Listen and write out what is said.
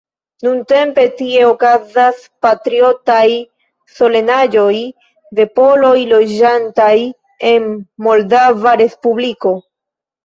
Nuntempe tie okazas patriotaj solenaĵoj de poloj loĝantaj en Moldava Respubliko.